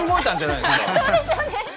そうですよね。